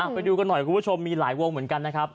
ไปดูกันหน่อยคุณผู้ชมมีหลายวงเหมือนกันนะครับ